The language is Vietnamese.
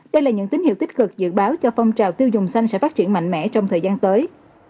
đây là những tín hiệu tích cực dự báo cho phong trào tiêu dùng xanh sẽ phát triển mạnh mẽ trong thời gian tới